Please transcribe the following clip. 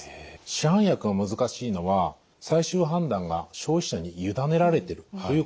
市販薬が難しいのは最終判断が消費者に委ねられてるということです。